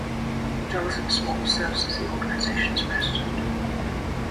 Jonathan Small serves as the organization's president.